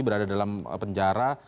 berada dalam penjara